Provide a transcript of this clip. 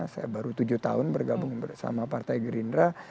saya baru tujuh tahun bergabung bersama partai gerindra